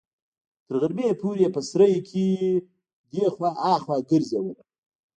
تر غرمې پورې يې په سراى کښې دې خوا ها خوا ګرځولم.